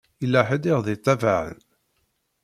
Yella ḥedd i ɣ-d-itabaɛen.